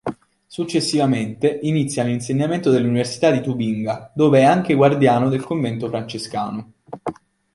Successivamente inizia l'insegnamento all'Università di Tubinga, dove è anche "guardiano" del Convento francescano.